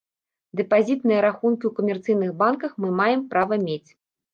Дэпазітныя рахункі ў камерцыйных банках мы маем права мець.